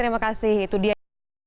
terima kasih raffihan